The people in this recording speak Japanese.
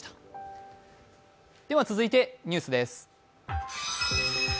続いてニュースです。